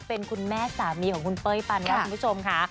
เป็นคุณแม่สามีของคุณเป้ยปันครับคุณผู้ชมค่ะ